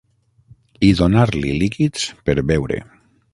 I donar-li líquids per beure.